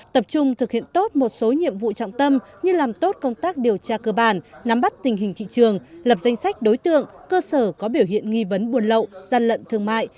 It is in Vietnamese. tập trung thực hiện tốt một số nhiệm vụ trọng tâm như làm tốt công tác điều tra cơ bản nắm bắt tình hình thị trường lập danh sách đối tượng cơ sở có biểu hiện nghi vấn buôn lậu gian lận thương mại